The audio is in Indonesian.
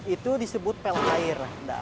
itu disebut pel air